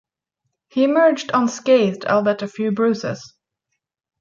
He emerged unscathed albeit a few bruises.